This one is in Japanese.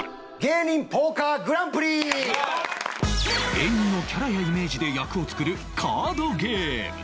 芸人のキャラやイメージで役を作るカードゲーム